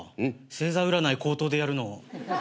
星座占い口頭でやるの。